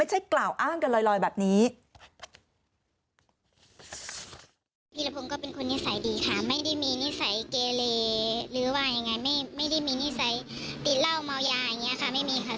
หรือว่าอย่างไรไม่ได้มีนิสัยติดเหล้าเมายาอย่างนี้ค่ะไม่มีค่ะ